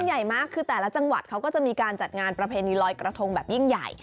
ใหญ่มากคือแต่ละจังหวัดเขาก็จะมีการจัดงานประเพณีลอยกระทงแบบยิ่งใหญ่